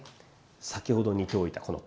先ほど煮ておいたこの鶏。